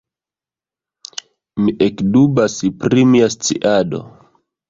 Mi ekdubas pri mia sciado.